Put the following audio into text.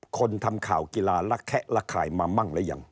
คนทำข่าวกีฬาระแคะระข่ายมามั่งหรือยัง